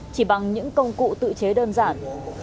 chỉ bằng những công cụ tự chế đơn giản